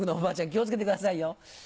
気をつけてくださいよ。